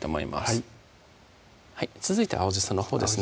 はい続いて青じそのほうですね